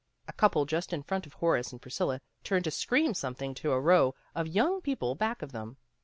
A couple just in front of Horace and Priscilla turned to scream something to a row of young people back of them.